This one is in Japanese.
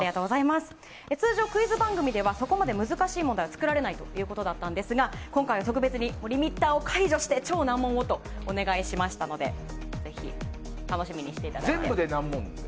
通常、クイズ番組ではそこまで難しい問題は作られないということだったんですが今回は特別にリミッターを解除して超難問をとお願いしましたのでぜひ楽しみにしていただいて。